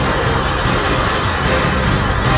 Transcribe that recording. aku tidak percaya